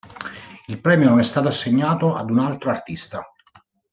Il premio non è stato assegnato ad un altro artista.